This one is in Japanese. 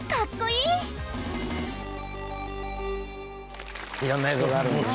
いろんな映像があるんですね。